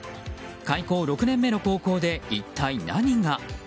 開校６年目の高校で一体何が。